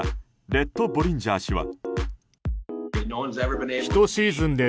レット・ボリンジャー氏は。